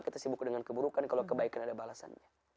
kita sibuk dengan keburukan kalau kebaikan ada balasannya